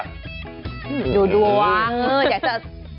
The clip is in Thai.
ดูดวงอยากจะ